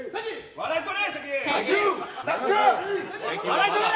笑い取れ。